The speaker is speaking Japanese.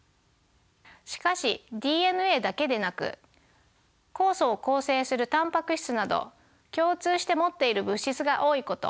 しかしＤＮＡだけでなく酵素を構成するタンパク質など共通して持っている物質が多いこと。